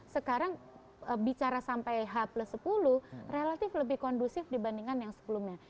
sekarang bicara sampai h sepuluh relatif lebih kondusif dibandingkan yang sebelumnya